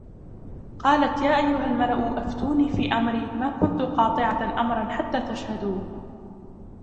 قَالَتْ يَا أَيُّهَا الْمَلَأُ أَفْتُونِي فِي أَمْرِي مَا كُنْتُ قَاطِعَةً أَمْرًا حَتَّى تَشْهَدُونِ